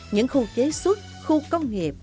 những khu chế xuất khu công nghiệp